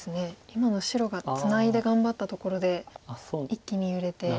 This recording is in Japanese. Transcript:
今の白がツナいで頑張ったところで一気に揺れて。